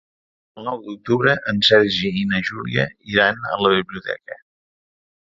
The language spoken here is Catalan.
El nou d'octubre en Sergi i na Júlia iran a la biblioteca.